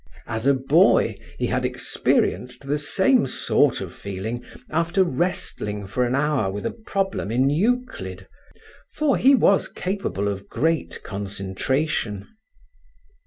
As a boy he had experienced the same sort of feeling after wrestling for an hour with a problem in Euclid, for he was capable of great concentration.